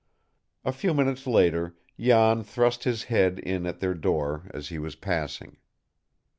A few minutes later Jan thrust his head in at their door, as he was passing.